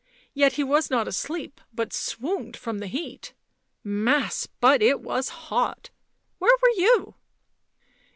" Yet he was not asleep, but swooned from the heat. Mass; but it was hot ! Where were you